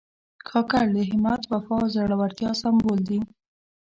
کاکړ د همت، وفا او زړورتیا سمبول دي.